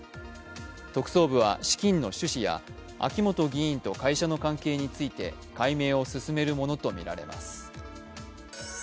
特捜部は資金の趣旨や秋本議員と会社の関係について解明を進めるものとみられます。